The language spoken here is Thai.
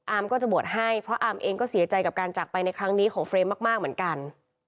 ก็จะบวชให้เพราะอาร์มเองก็เสียใจกับการจากไปในครั้งนี้ของเฟรมมากเหมือนกัน